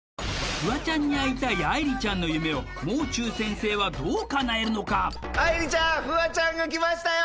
フワちゃんに会いたいあいりちゃんの夢をもう中先生はどうかなえるのかあいりちゃん来たよ